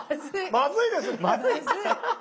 まずいですよね。